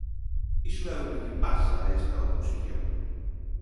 Iso é o que lle pasa a esta oposición.